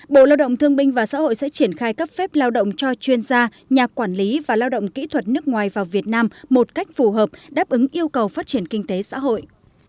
bộ lao động thương binh và xã hội sẽ triển khai cấp phép lao động cho chuyên gia nhà quản lý và lao động kỹ thuật nước ngoài vào việt nam một cách phù hợp đáp ứng yêu cầu phát triển kinh tế xã hội